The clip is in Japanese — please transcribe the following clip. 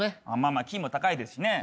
まあキーも高いですしね。